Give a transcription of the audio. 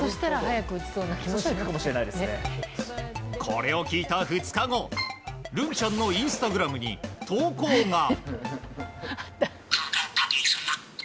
これを聞いた２日後るんちゃんのインスタグラムに投稿が。